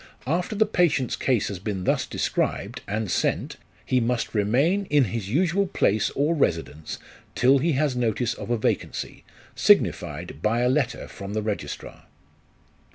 After the patient's case has been thus described, and sent, he must remain in his usual place or residence till he has notice of a vacancy, signified by a letter from the registrar.